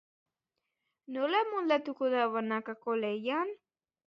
Nola moldatuko da banakako lehian?